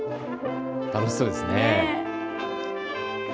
楽しそうですね。